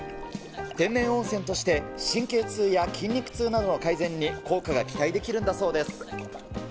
天然温泉として、神経痛や筋肉痛などの改善に効果が期待できるんだそうです。